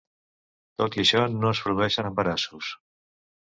Tot i això, no es produeixen embarassos.